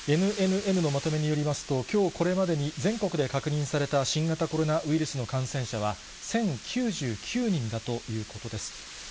ＮＮＮのまとめによりますと、きょうこれまでに全国で確認された新型コロナウイルスの感染者は、１０９９人だということです。